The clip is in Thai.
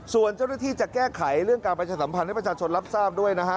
ส่วนเจ้าหน้าที่จะแก้ไขเรื่องการประชาสัมพันธ์ให้ประชาชนรับทราบด้วยนะฮะ